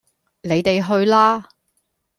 你地去啦